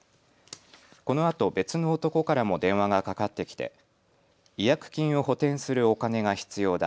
このあと別の男からも電話がかかってきて違約金を補填するお金が必要だ。